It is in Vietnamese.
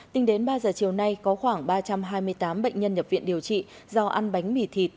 tính đến ba giờ chiều nay có khoảng ba trăm hai mươi tám bệnh nhân nhập viện điều trị do ăn bánh mì thịt